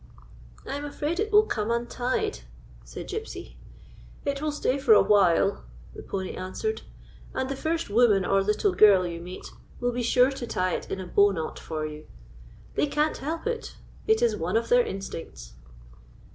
"I 'm afraid it will come untied," said Gypsy. "It will stay for a while," the pony answered; "and the first woman or little girl you meet will 115 GYPSY, THE TALKING DOG be sure to tie it in a bow knot for you. They can't help it. It is one of their instincts."